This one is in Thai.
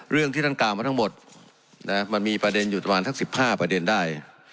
เรื่องที่ท่านกล่าวมาทั้งหมดมันมีประเด็นอยู่ประมาณสัก๑๕ประเด็นได้